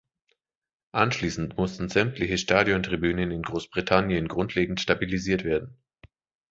Anschließend mussten sämtliche Stadion-Tribünen in Großbritannien grundlegend stabilisiert werden.